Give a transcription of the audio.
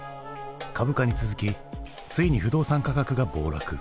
株価に続きついに不動産価格が暴落。